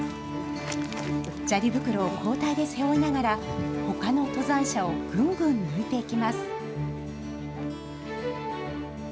砂利袋を交代で背負いながら、ほかの登山者をぐんぐん抜いていきます。